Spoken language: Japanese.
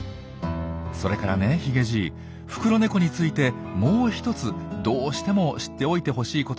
それからねヒゲじいフクロネコについてもう一つどうしても知っておいてほしいことがあるんですよ。